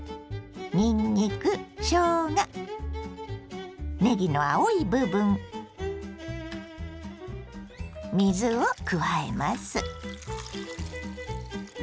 にんにくしょうがねぎの青い部分水を加えます。